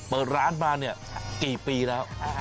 เปิดร้านมาเนี่ยกี่ปีแล้ว